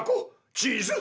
チーズ！